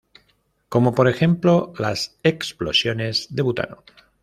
Como por ejemplo las explosiones de butano.